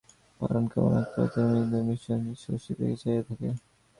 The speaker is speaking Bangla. পরাণ কেমন একপ্রকার স্তিমিত বিষন্ন দৃষ্টিতে শশীর দিকে চাহিয়া থাকে।